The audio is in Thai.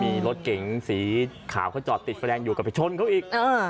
มีรถเก่งสีขาวเขาจอดติดแฟลงอยู่กับผิดชนเขาอีกเออ